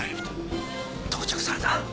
到着された。